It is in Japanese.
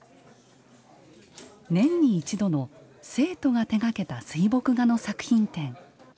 年に一度の生徒が手がけた水墨画の作品展。